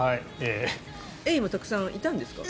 エイもたくさんいたんですか？